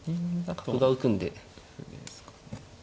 角が浮くんで。